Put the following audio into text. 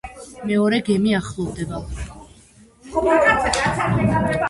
მეორე გემი ახლოვდება.